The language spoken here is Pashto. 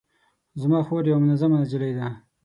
زما خور یوه منظمه نجلۍ ده